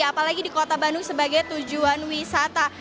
apalagi di kota bandung sebagai tujuan wisata